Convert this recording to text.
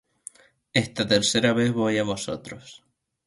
Esta tercera vez voy á vosotros.